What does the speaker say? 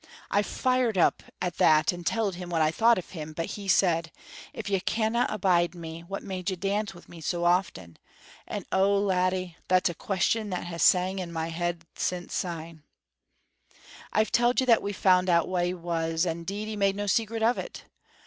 I fired up at that and telled him what I thought of him, but he said, 'If you canna abide me, what made you dance wi' me so often?' and, oh, laddie, that's a question that has sung in my head since syne. "I've telled you that we found out wha he was, and 'deed he made no secret of it.